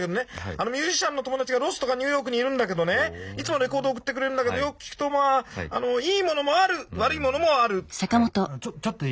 あのミュージシャンの友達がロスとかニューヨークにいるんだけどねいつもレコード送ってくれるんだけどよく聴くとまああのでもね